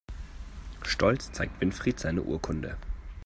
Stolz zeigt Winfried seine Urkunde.